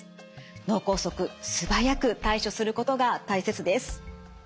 脳梗塞素早く対処することが大切です。